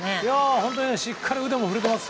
本当にしっかり腕も振れていますし。